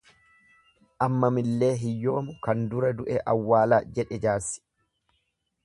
Aammamillee hiyyoomu kan dura du'e awwaalaa jedhe jaarsi.